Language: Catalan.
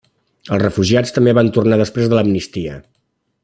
Els refugiats també van tornar després de l'amnistia.